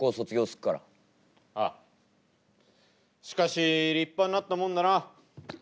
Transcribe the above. しかし立派になったもんだな。